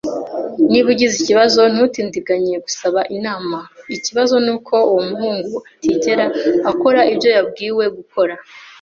Niba ugize ibibazo, ntutindiganye gusaba inama. Ikibazo nuko uwo muhungu atigera akora ibyo yabwiwe gukora.